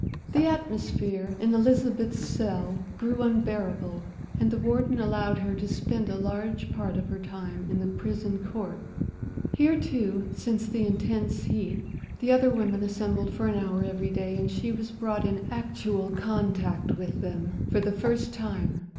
The atmosphere in Elizabeth's cell grew unbearable, and the warden allowed her to spend a large part of her time in the prison court. Here, too, since the intense heat, the other women assembled for an hour every day, and she was brought in actual contact with them for the first time.